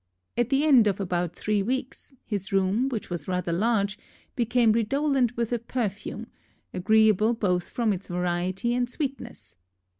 At the end of about three weeks, his room, which was rather large, became redolent with a perfume, agreeable both from its variety and sweetness.